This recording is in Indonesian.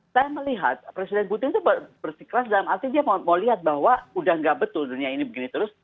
saya melihat presiden putin itu bersikeras dalam arti dia mau lihat bahwa udah nggak betul dunia ini begini terus